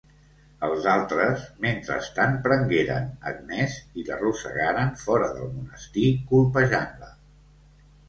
Els altres, mentrestant, prengueren Agnès i l'arrossegaren fora del monestir, colpejant-la.